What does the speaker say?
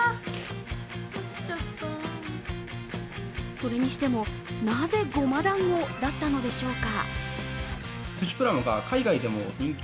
それにしても、なぜごま団子だったのでしょうか。